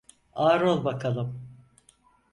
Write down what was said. Ağır ol bakalım.